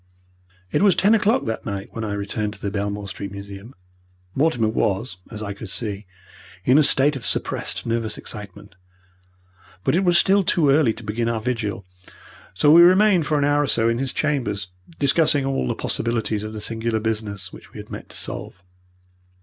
It was ten o'clock that night when I returned to the Belmore Street Museum. Mortimer was, as I could see, in a state of suppressed nervous excitement, but it was still too early to begin our vigil, so we remained for an hour or so in his chambers, discussing all the possibilities of the singular business which we had met to solve.